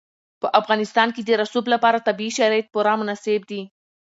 په افغانستان کې د رسوب لپاره طبیعي شرایط پوره مناسب دي.